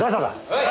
はい！